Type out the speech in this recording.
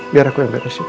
biar aku yang beresin ya